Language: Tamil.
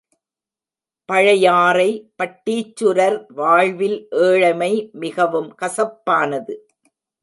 பழையாறை பட்டீச்சுரர் வாழ்வில் ஏழைமை மிகவும் கசப்பானது.